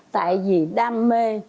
tại vì đam mê